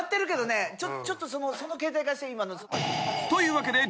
ちょっとその携帯貸して。